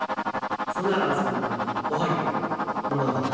そんならそのおはぎゅうもらおうかな。